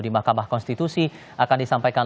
di mahkamah konstitusi akan disampaikan